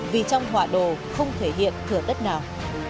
vì trong họa đồ không thể hiện thửa đất nào